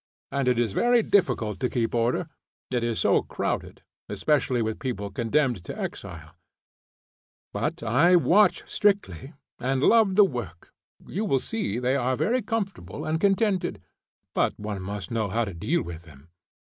And it is very difficult to keep order, it is so crowded, especially with people condemned to exile; but I watch strictly, and love the work. You will see they are very comfortable and contented. But one must know how to deal with them.